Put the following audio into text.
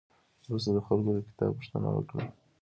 وروسته خلکو د کتاب پوښتنه وکړه.